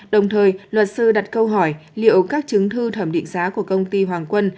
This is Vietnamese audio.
đồng thời luật sư đặt câu hỏi liệu các chứng thư thẩm định giá của công ty hoàng quân